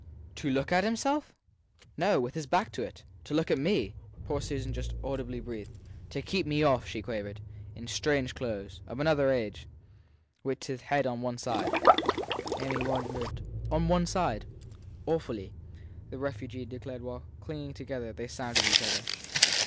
To look at himself? No with his back to it. To look at me, poor Susan just audibly breathed. To keep me off, she quavered. In strange clothes of another age; with his head on one side. Amy wondered. On one side? Awfully! the refugee declared while, clinging together, they sounded each other.